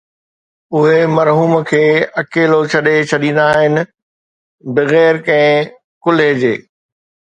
اهي مرحوم کي اڪيلو ڇڏي ڇڏيندا آهن بغير ڪنهن ڪلهي جي